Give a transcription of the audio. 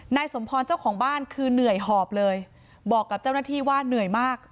นายสมพรเจ้าของบ้านคือเหนื่อยหอบเลยบอกกับเจ้าหน้าที่ว่าเหนื่อยมาก